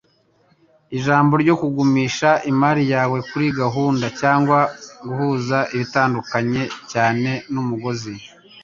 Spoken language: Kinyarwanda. Ijambo ryo kugumisha imari yawe kuri gahunda, cyangwa guhuza bitandukanye cyane nu mugozi